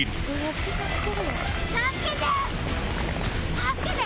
助けて！